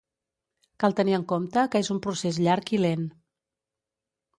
Cal tenir en compte que és un procés llarg i lent.